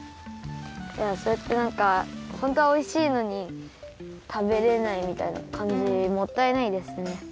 いやそうやってなんかほんとはおいしいのにたべれないみたいなかんじもったいないですね。